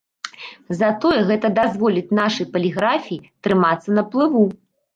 Затое гэта дазволіць нашай паліграфіі трымацца на плыву.